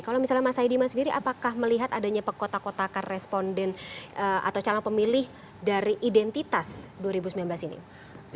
kalau misalnya mas haidiman sendiri apakah melihat adanya pekotak kotakan responden atau calon pemilih dari identitas dua ribu sembilan belas ini